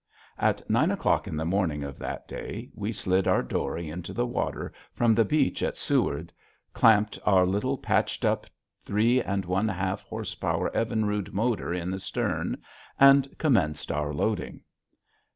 At nine o'clock in the morning of that day we slid our dory into the water from the beach at Seward, clamped our little patched up three and one half horse power Evinrude motor in the stern, and commenced our loading.